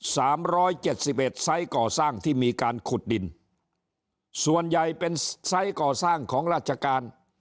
สามร้อยเจ็ดสิบเอ็ดไซส์ก่อสร้างที่มีการขุดดินส่วนใหญ่เป็นไซส์ก่อสร้างของราชการ